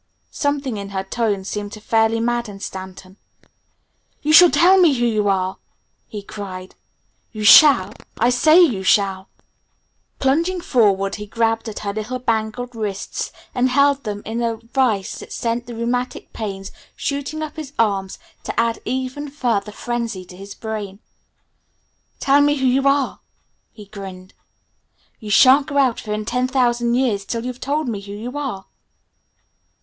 Something in her tone seemed to fairly madden Stanton. "You shall tell me who you are!" he cried. "You shall! I say you shall!" Plunging forward he grabbed at her little bangled wrists and held them in a vise that sent the rheumatic pains shooting up his arms to add even further frenzy to his brain. "Tell me who you are!" he grinned. "You shan't go out of here in ten thousand years till you've told me who you are!"